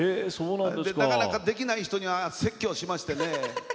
なかなかできない人には説教をしましたね。